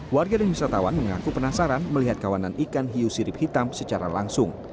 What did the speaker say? warga dan wisatawan mengaku penasaran melihat kawanan ikan hiu sirip hitam secara langsung